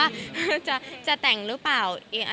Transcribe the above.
ก็บอกว่าเซอร์ไพรส์ไปค่ะ